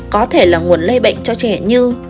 có thể là nguồn lây bệnh cho trẻ như